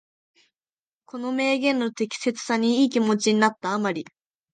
この名言の適切さにいい気持ちになった余り、